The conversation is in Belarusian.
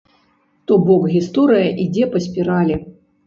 То бок гісторыя ідзе па спіралі.